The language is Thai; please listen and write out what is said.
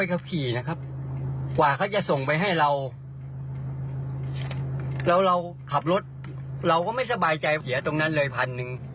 แล้วเราขับรถเราก็ไม่สบายใจเสียตรงนั้นเลย๑๐๐๐บาท